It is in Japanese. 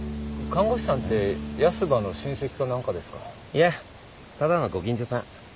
いやただのご近所さん。